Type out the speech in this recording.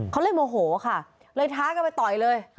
เขาเลยโมโหค่ะเลยท้ากันไปต่อยเลย